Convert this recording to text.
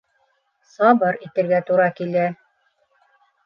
Сабыр итергә тура килә.